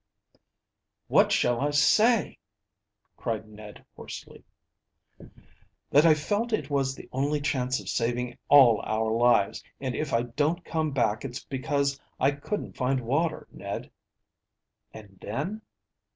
"What shall I say?" cried Ned hoarsely. "That I felt it was the only chance of saving all our lives; and if I don't come back it's because I couldn't find water, Ned." "And then?"